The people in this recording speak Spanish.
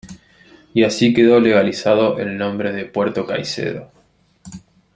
Y así quedó legalizado el nombre de Puerto Caicedo.